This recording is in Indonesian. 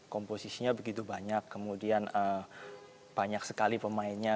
komposisinya begitu banyak kemudian banyak sekali pemainnya